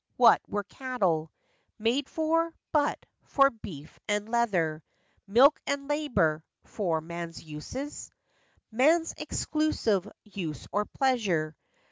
What were cattle Made for—but for beef and leather, Milk and labor—for man's uses ? Man's exclusive use or pleasure.